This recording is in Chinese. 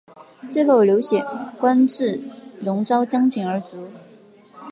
最后刘显官至戎昭将军而卒。